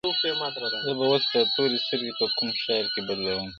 زه به اوس دا توري سترګي په کوم ښار کي بدلومه!